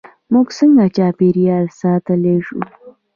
موږ څنګه چاپیریال ساتلی شو؟